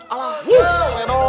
alah ya reba